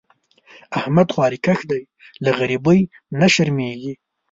احمد خواریکښ دی؛ له غریبۍ نه شرمېږي.